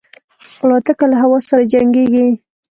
الوتکه له هوا سره جنګيږي.